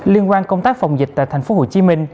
liên quan công tác phòng dịch tại tp hcm